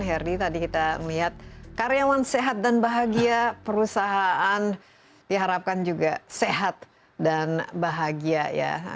herdy tadi kita melihat karyawan sehat dan bahagia perusahaan diharapkan juga sehat dan bahagia ya